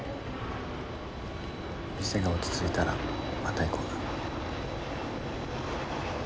店が落ち着いたらまた行こうな。